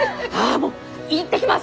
もう行ってきます！